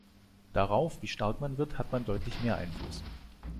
Darauf, wie stark man wird, hat man deutlich mehr Einfluss.